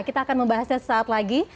kita akan membahasnya sesaat lagi